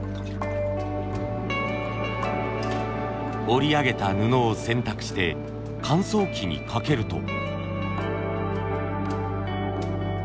織り上げた布を洗濯して乾燥機にかけると。